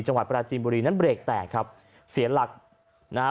จังหวัดปราชิมบุรีนั้นเบรกแตกครับเสียหลักนะฮะ